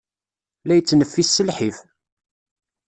La yettneffis s lḥif.